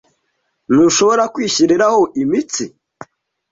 Ntushobora kwishyiriraho imitsi?